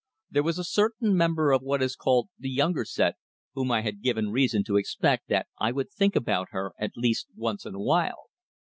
There was a certain member of what is called the "younger set," whom I had given reason to expect that I would think about her at least once in a while.